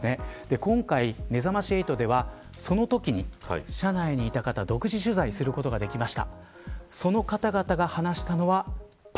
今回めざまし８では、そのときに車内にいた方独自取材することができました。